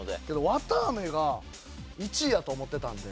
わたあめが１位やと思ってたので。